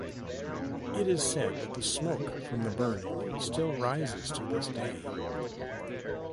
It is said that the smoke from the burning still rises to this day.